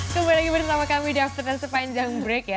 kembali lagi bersama kami di after dan sepanjang break ya